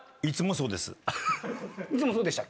いつもそうです。